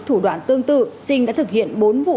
thủ đoạn tương tự trinh đã thực hiện bốn vụ